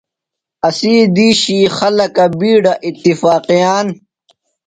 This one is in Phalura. اسی دِیشی خلکہ بِیڈہ اتفاقِیان۔